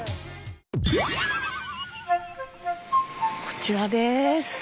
こちらです。